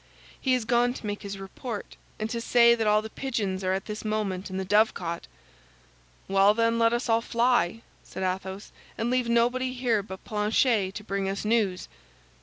"He has gone to make his report, and to say that all the pigeons are at this moment in the dovecot." "Well, then, let us all fly," said Athos, "and leave nobody here but Planchet to bring us news."